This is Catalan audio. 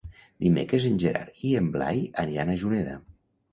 Dimecres en Gerard i en Blai aniran a Juneda.